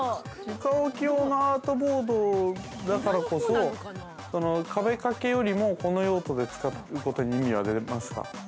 ◆床置き用のアートボードだからこそ、壁かけよりも、この用途で使うことに意味はありますか。